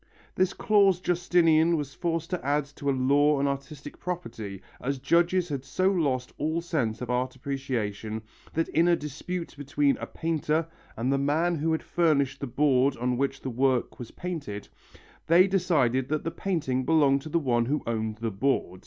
This clause Justinian was forced to add to a law on artistic property, as judges had so lost all sense of art appreciation that in a dispute between a painter and the man who had furnished the board on which the work was painted, they decided that the painting belonged to the one who owned the board.